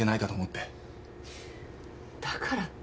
だからって。